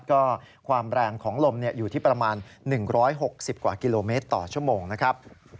ก็ความแรงของลมอยู่ที่ประมาณ๑๖๐กว่ากิโลเมตรต่อชั่วโมงนะครับ